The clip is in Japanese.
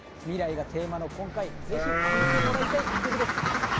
「未来」がテーマの今回ぜひ聴いてもらいたい一曲です。